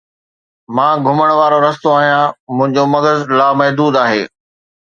مان گھمڻ وارو رستو آھيان، منھنجو مغز لامحدود آھي